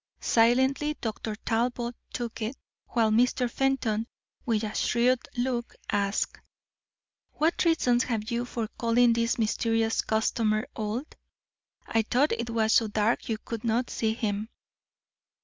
Silently Dr. Talbot took it, while Mr. Fenton, with a shrewd look, asked: "What reasons have you for calling this mysterious customer old? I thought it was so dark you could not see him."